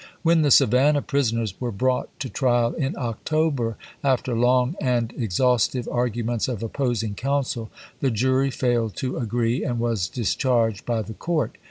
When the Savannah prisoners were brought to trial in October, after long and exhaustive argu ments of opposing counsel, the jury failed to agree, warbiirton, and was discharged by the court.